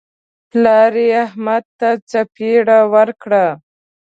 پلار یې احمد ته څپېړه ورکړه.